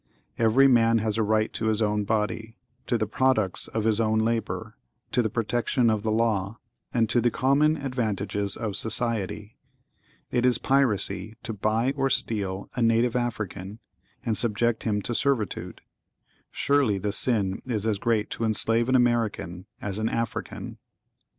Every man has a right to his own body—to the products of his own labor—to the protection of the law—and to the common advantages of society. It is piracy to buy or steal a native African, and subject him to servitude. Surely hte sin is as great to enslave an American as an African.